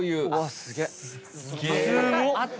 すげえ！